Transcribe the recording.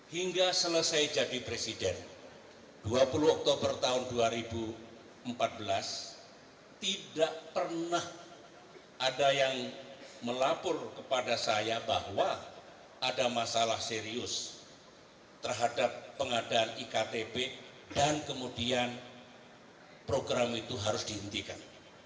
hingga selesai jadi presiden dua puluh oktober tahun dua ribu empat belas tidak pernah ada yang melaporkan kepada saya bahwa ada masalah serius terhadap pengadaan iktp dan kemudian program itu harus dihentikan